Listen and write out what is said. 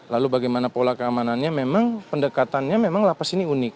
lalu bagaimana pola keamanannya memang pendekatannya memang lapas ini unik